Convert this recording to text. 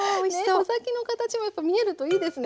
穂先の形もやっぱ見えるといいですね。